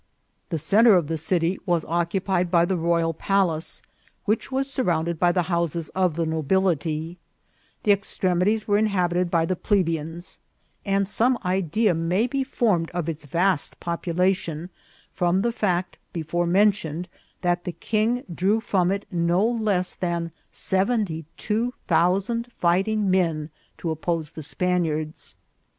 The centre of the city was occupied by the royal palace, which was surrounded by the houses of the nobility ; the extremities were inhabited by the plebeians; and some idea may be formed of its vast population from the fact, before mentioned, that the king drew from it no less than seventy two thousand fighting men to oppose the Spaniards.